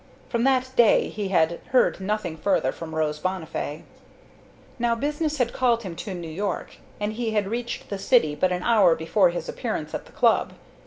From that day he had heard nothing further from Rose Bonnifay. Now business had called him to New York, and he had reached the city but an hour before his appearance at the club.